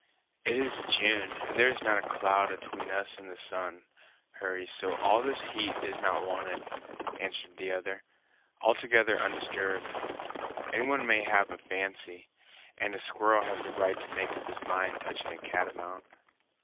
"It is June, and there is not a cloud atween us and the sun, Hurry, so all this heat is not wanted," answered the other, altogether undisturbed; "any one may have a fancy, and a squirrel has a right to make up his mind touching a catamount."